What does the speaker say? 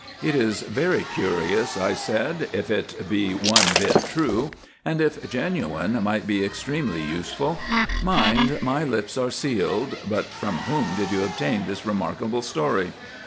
"It is very curious," I said, "if it be one bit true; and if genuine, might be extremely useful. Mind my lips are sealed. But from whom did you obtain this remarkable story?"